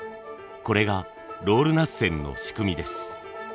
これがロール捺染の仕組みです。